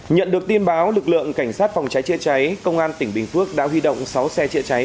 nhận được tin báo lực lượng cảnh sát phòng cháy chữa cháy công an tỉnh bình phước đã huy động sáu xe chữa cháy